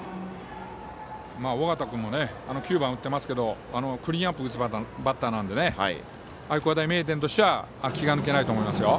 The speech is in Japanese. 尾形君も９番打ってますけどクリーンアップを打つバッターなので愛工大名電としては気が抜けないと思いますよ。